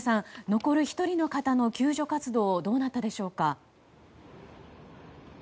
残る１人の方の救助活動はどうなったでしょうか。